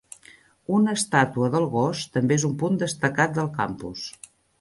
Una estàtua del gos també és un punt destacat del campus.